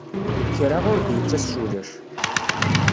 Kra ur d-yettas s wulac.